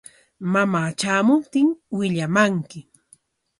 Mamaa tramuptin willamanki.